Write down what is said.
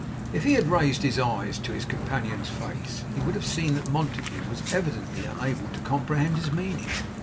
If he had raised his eyes to his companion's face, he would have seen that Montague was evidently unable to comprehend his meaning.